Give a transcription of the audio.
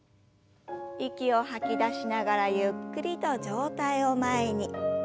息を吐き出しながらゆっくりと上体を前に。